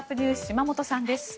島本さんです。